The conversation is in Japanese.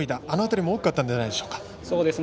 あの辺りも大きかったんじゃないでしょうか。